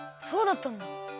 そうだったんだ。